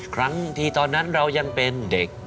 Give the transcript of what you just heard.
ครั้งที่ตอนนั้นเรายังเป็นเด็ก